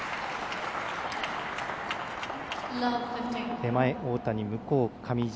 手前が大谷、向こう側、上地。